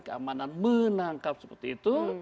keamanan menangkap seperti itu